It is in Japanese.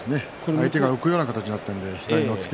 相手が浮くような形になったので左押っつけ。